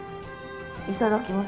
いただきます。